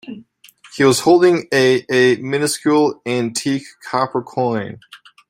He was holding a a minuscule antique copper coin.